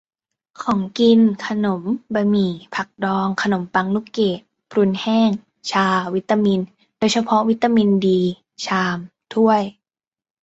- ของกิน : ขนม บะหมี่ ผักดอง ขนมปัง ลูกเกด-พรุนแห้ง ชา วิตามิน โดยเฉพาะวิตามินดี ชาม ถ้วย